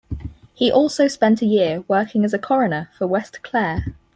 He also spent a year working as coroner for West Clare.